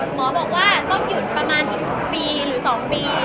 หมอบอกว่าต้องหยุดประมาณอีกปีหรือ๒ปี